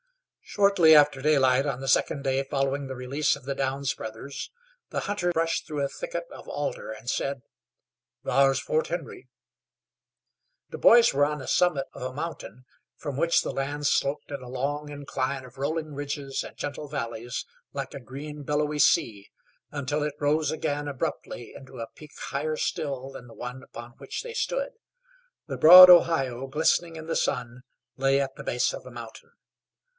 Shortly after daylight on the second day following the release of the Downs brothers the hunter brushed through a thicket of alder and said: "Thar's Fort Henry." The boys were on the summit of a mountain from which the land sloped in a long incline of rolling ridges and gentle valleys like a green, billowy sea, until it rose again abruptly into a peak higher still than the one upon which they stood. The broad Ohio, glistening in the sun, lay at the base of the mountain.